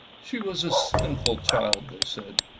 " She was a sinful child," they said.